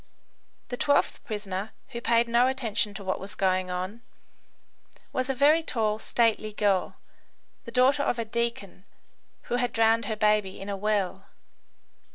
The twelfth prisoner, who paid no attention to what was going on, was a very tall, stately girl, the daughter of a deacon, who had drowned her baby in a well.